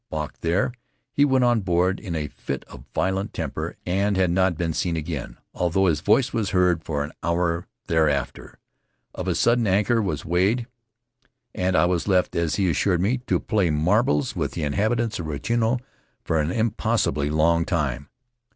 Balked there, he went on board in a fit of violent temper and had net been seen again, although his voice was heard for an hour thereafter. Of a sudden anchor was weighed and I was left, as he assured me, to play marbles with the inhabitants of Rutiaro for an im possibly long time.